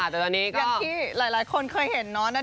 แต่ตอนนี้ก็อย่างที่หลายคนเคยเห็นเนาะ